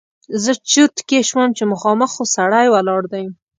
زه چرت کې شوم چې مخامخ خو سړی ولاړ دی!